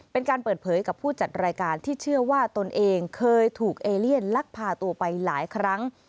เป็นการเปิดเผยกับผู้จัดรายการที่เชื่อว่าตนเองเคยถูกเอเลียนลักพาตัวไปหลายครั้ง